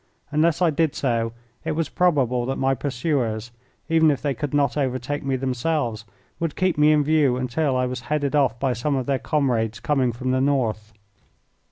Unless I did so it was probable that my pursuers, even if they could not overtake me themselves, would keep me in view until I was headed off by some of their comrades coming from the north.